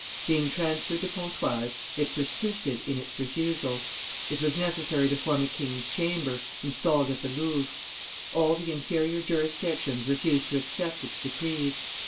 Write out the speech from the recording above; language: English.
Being transferred to Pontoise, it persisted in its refusal. It was necessary to form a King's Chamber, installed at the Louvre; all the inferior jurisdictions refused to accept its decrees.